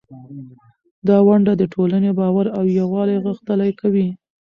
دا ونډه د ټولنې باور او یووالی غښتلی کوي.